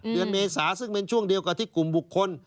เดือนเมษาซึ่งเป็นช่วงเดียวกับที่กลุ่มบุคคล